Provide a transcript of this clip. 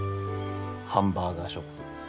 ハンバーガーショップ。